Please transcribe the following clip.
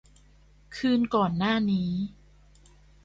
คืนก่อนหน้านี้